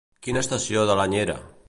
Quina estació de l'any era?